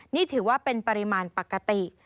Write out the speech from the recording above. นี่ถือว่าเป็นปริมาณปกติ